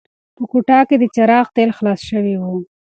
په کوټه کې د څراغ تېل خلاص شوي وو.